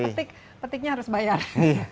tapi petiknya harus bayar